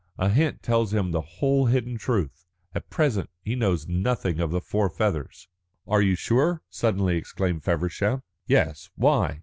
A hint tells him the whole hidden truth. At present he knows nothing of the four feathers." "Are you sure?" suddenly exclaimed Feversham. "Yes. Why?"